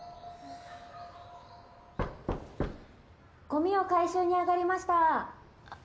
ゴミを回収にあがりました。